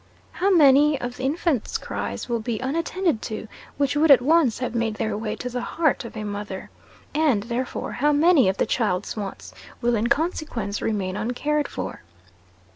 How many of the infant's cries will be unattended to, which would at once have made their way to the heart of a mother! and, therefore, how many of the child's wants will in consequence remain uncared for!